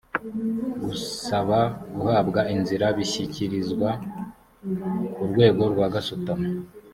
gusaba guhabwa inzira bishyikirizwa urwego rwa gasutamo.